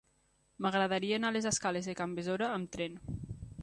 M'agradaria anar a les escales de Can Besora amb tren.